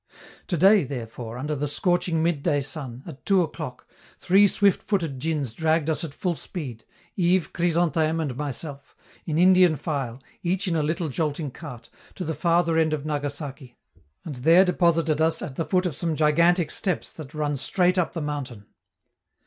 To day, therefore, under the scorching midday sun, at two o'clock, three swift footed djins dragged us at full speed Yves, Chrysantheme, and myself in Indian file, each in a little jolting cart, to the farther end of Nagasaki, and there deposited us at the foot of some gigantic steps that run straight up the mountain.